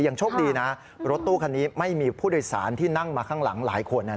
โชคดีนะรถตู้คันนี้ไม่มีผู้โดยสารที่นั่งมาข้างหลังหลายคน